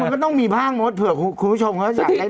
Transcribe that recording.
มันก็ต้องมีภาคหมดเผื่อคุณผู้ชมเขาจะอยากได้เล็ก